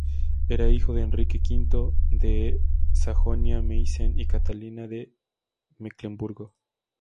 Era hijo de Enrique V de Sajonia-Meissen y Catalina de Mecklemburgo.